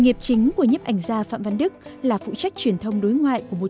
em chụp bức ảnh này